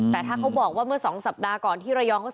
แต่ถ้าเขาบอกว่าเมื่อสองสัปดาห์